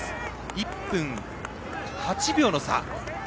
１分８秒の差。